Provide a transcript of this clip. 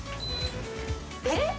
えっ？